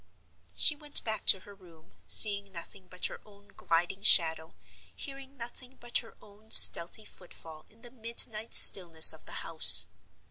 She went back to her room, seeing nothing but her own gliding shadow, hearing nothing but her own stealthy footfall in the midnight stillness of the house.